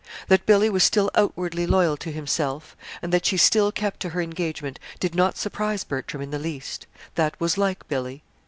That Billy was still outwardly loyal to himself, and that she still kept to her engagement, did not surprise Bertram in the least. That was like Billy.